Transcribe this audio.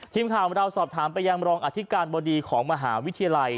ทีมข่าวของเราสอบถามไปยังรองอธิการบดีของมหาวิทยาลัย